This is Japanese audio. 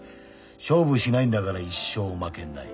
勝負しないんだから一生負けない。